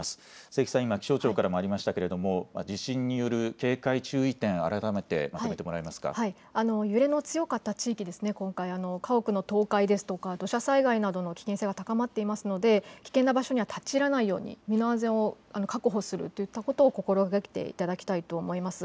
清木さん、今、気象庁からもありましたけれども、地震による警戒揺れの強かった地域ですね、今回、家屋の倒壊ですとか、土砂災害などの危険性が高まっていますので、危険な場所には立ち入らないように、身の安全を確保するといったことを心がけていただきたいと思います。